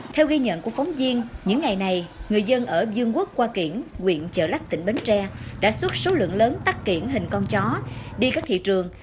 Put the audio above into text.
theo ghi nhận của phóng viên những ngày này người dân ở dương quốc qua kiển quyện chợ lách tỉnh bến tre đã xuất số lượng lớn tắt kiển hình con chó đi các thị trường